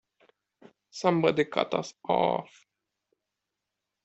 Somebody cut us off!